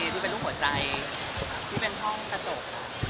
ที่เป็นรูปหัวใจที่เป็นห้องกระจก